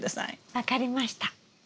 分かりました。